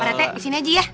parete di sini aja ya